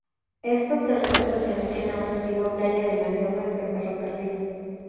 Estos terrenos pertenecían a una antigua playa de maniobras del ferrocarril.